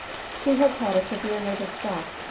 "She has had a severe nervous shock.